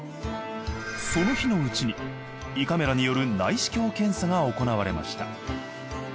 その日のうちに胃カメラによる内視鏡検査が行われました。